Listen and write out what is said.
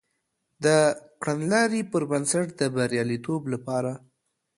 د کړنلاري پر بنسټ د بریالیتوب لپاره